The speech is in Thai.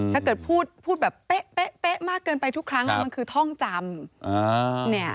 ถ้าเกิดพูดแบบเป๊ะมากเกินไปทุกครั้งมันคือท่องจำ